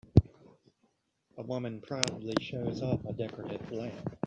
A woman proudly shows off a decorative lamp